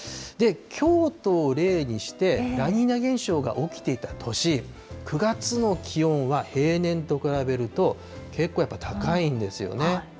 京都を例にして、ラニーニャ現象が起きていた年、９月の気温は平年と比べると結構やっぱり高いんですよね。